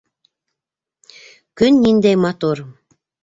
Көн ниндәй матур!